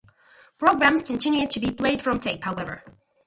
Programmes continued to be played from tape, however.